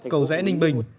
cầu rẽ ninh bình